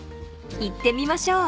［行ってみましょう］